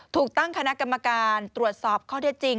ถูกตั้งคณะกรรมการตรวจสอบข้อเท็จจริง